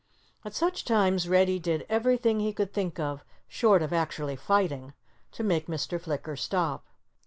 At such times Reddy did everything he could think of—short of actually fighting—to make Mr. Flicker stop.